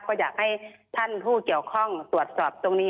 ก็อยากให้ท่านผู้เกี่ยวข้องตรวจสอบตรงนี้